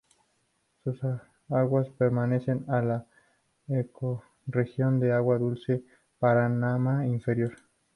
Sus aguas pertenecen a la ecorregión de agua dulce Paraná inferior.